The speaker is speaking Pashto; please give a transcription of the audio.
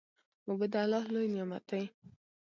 اوبه د الله لوی نعمت دی.